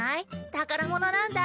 宝物なんだ。